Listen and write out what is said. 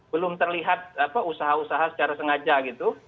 belum terlihat usaha usaha secara sengaja gitu